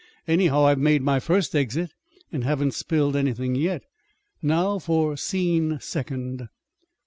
Anyhow, I've made my first exit and haven't spilled anything yet. Now for scene second!"